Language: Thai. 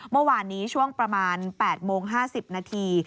เมื่อวานนี้ช่วงประมาณ๘โมง๕๐นาที